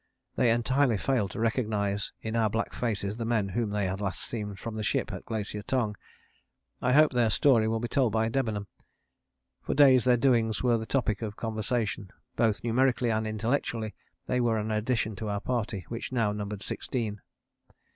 They entirely failed to recognize in our black faces the men whom they had last seen from the ship at Glacier Tongue. I hope their story will be told by Debenham. For days their doings were the topic of conversation. Both numerically and intellectually they were an addition to our party, which now numbered sixteen.